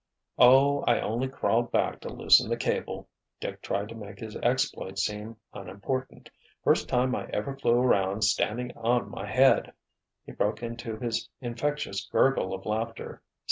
"Oh, I only crawled back to loosen the cable." Dick tried to make his exploit seem unimportant. "First time I ever flew around standing on my head," he broke into his infectious gurgle of laughter.